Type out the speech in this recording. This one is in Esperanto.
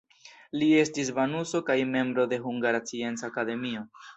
Li estis banuso kaj membro de Hungara Scienca Akademio.